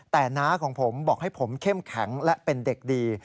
แต่น้าของผมบอกให้ผมเข้มแข็งและเป็นเด็กดี